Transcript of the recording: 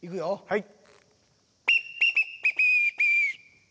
はい。